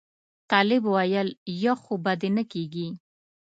طالب ویل یخ خو به دې نه کېږي.